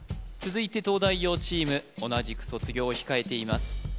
続いて東大王チーム同じく卒業を控えています